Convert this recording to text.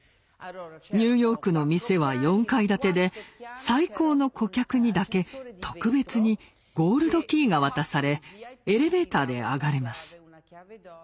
ニューヨークの店は４階建てで最高の顧客にだけ特別にゴールドキーが渡されエレベーターで上がれます。